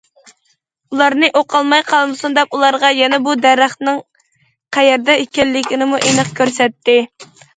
ئۇلارنى ئۇقالماي قالمىسۇن دەپ، ئۇلارغا يەنە بۇ دەرەخنىڭ قەيەردە ئىكەنلىكىنىمۇ ئېنىق كۆرسەتتى.